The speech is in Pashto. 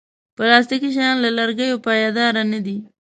پلاستيکي شیان له لرګیو پایداره نه دي.